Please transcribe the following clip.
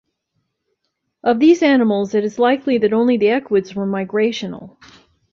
Of these animals, it is likely that only the equids were migrational.